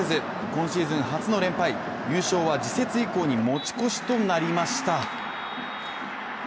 今シーズン初の連敗、優勝は次節以降に持ち越しとなりました。